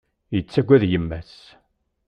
Yettaggad yemma-s.